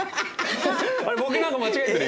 あれ僕なんか間違えてる？